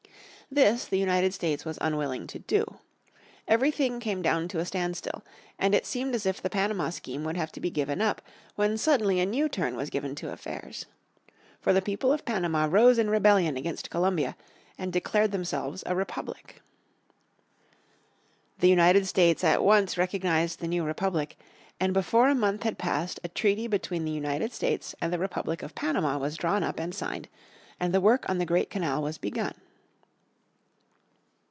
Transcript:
This the United States was unwilling to do. Everything came down to a standstill, and it seemed as if the Panama scheme would have to be given up, when suddenly a new turn was given to affairs. For the people of Panama rose in rebellion against Colombia, and declared themselves a republic. The United States at once recognized the new republic, and before a month had passed a treaty between the United States and the Republic of Panama was drawn up and signed, and the work on the great canal was begun.